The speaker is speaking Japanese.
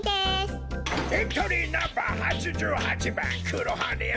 エントリーナンバー８８ばん黒羽屋